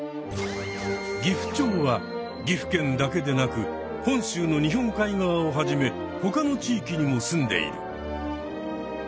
ギフチョウは岐阜県だけでなく本州の日本海側をはじめほかの地域にもすんでいる。